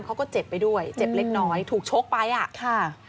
เขาก็เจ็บไปด้วยเจ็บเล็กน้อยถูกชกไปอ่ะค่ะ